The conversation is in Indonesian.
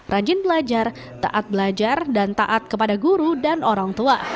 rajin belajar taat belajar dan taat kepada guru dan orang tua